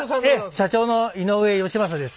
社長の井上吉勝です。